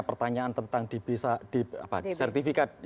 pertanyaan tentang sertifikat